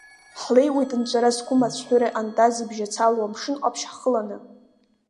Ҳлеиуеит нҵәара зқәым ацәҳәыра ҟьантаз ибжьацалоу Амшын Ҟаԥшь ҳхыланы.